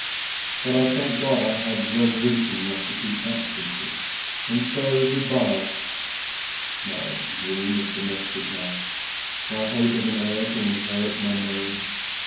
But I thank God I had resolution enough to keep that secret. And so good bye my dream of domestic life, my hope of an heir to inherit my name.